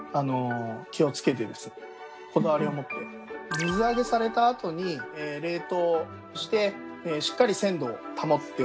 水揚げされたあとに冷凍してしっかり鮮度を保っております。